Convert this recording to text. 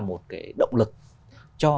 một cái động lực cho